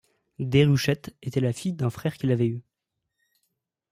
Déruchette était la fille d’un frère qu’il avait eu.